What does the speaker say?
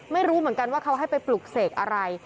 ไม่รู้เหมือนกันว่าเขาให้ไปปลุกเสกอะไร